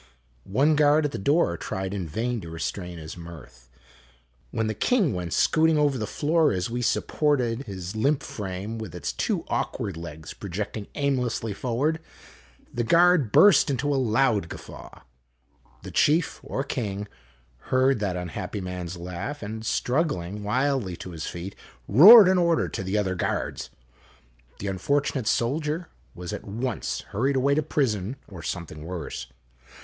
One guard at the door tried in vain to restrain his mirth. When the king went scooting over the floor, as we supported his limp frame with its two awkward legs projecting aimlessly forward, the guard burst into a loud guffaw. The chief, or king, heard that '' T },'). "A. FISH OUT OF WATER WAS NOTHING TO THE ANTICS OF THAT UNFORTUNATE SAVAGE." unhappy man's laugh, and, struggling wildly to his feet, roared an order to the other guards. The unfortunate soldier was at once O hurried away to prison, or something worse.